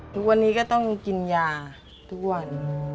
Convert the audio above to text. ทุกวันนี้ก็ต้องกินยาทุกวัน